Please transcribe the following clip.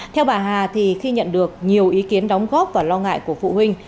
theo bà hà thì khi nhận được nhiều ý kiến đóng góp và lo ngại của phụ huynh